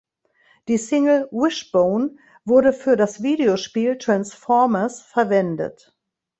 Die Single "Wishbone" wurde für das Videospiel "Transformers" verwendet.